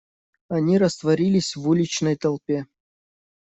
Они растворились в уличной толпе.